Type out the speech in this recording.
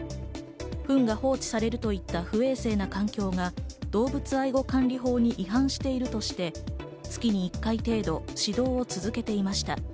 フンが放置されるといった不衛生な環境が動物愛護管理法に違反しているとして、月に１回程度指導を続けていました。